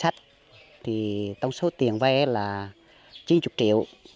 thì tổng số tiền vay là chín mươi triệu